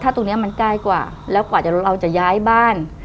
ถ้าตรงนี้มันใกล้กว่าแล้วกว่าเราจะย้ายบ้าน